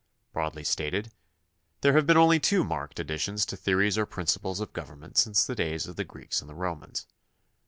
Broadly stated, there have been only two marked ad ditions to theories or principles of government since the days of the Greeks and the Romans.